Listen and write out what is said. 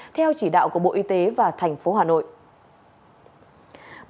theo chỉ đạo của bộ y tế và tp hcm